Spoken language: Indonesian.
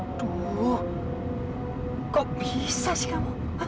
aduh kok bisa sih kamu